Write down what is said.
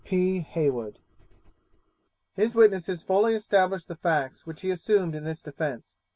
'P. HEYWOOD.' His witnesses fully established the facts which he assumed in this defence.